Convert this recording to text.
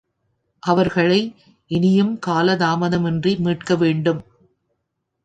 அவர்களை இனியும் காலதாமதமின்றி மீட்கவேண்டும்.